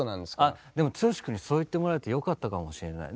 あっでも剛くんにそう言ってもらえてよかったかもしれない。